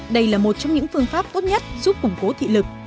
đây là một trong những phương pháp tốt nhất giúp củng cố thị lực